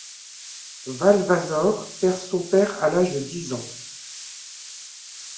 Valvasor perd son père à l'âge de dix ans.